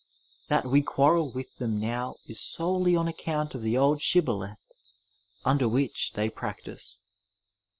That we quarrel with them now is solely on account of the old Shibboleth under which they practise.